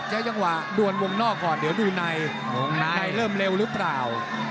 ใช้จังหวะดวนวงนอกก่อนเดี๋ยวดูในวงในในเริ่มเร็วหรือเปล่า